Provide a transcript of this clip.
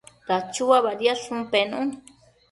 Dachua badiadshun pennu